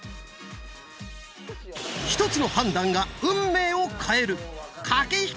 一つの判断が運命を変える駆け引き力が試される！